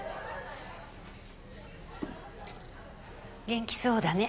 元気そうだね。